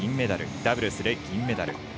ダブルスで銀メダル。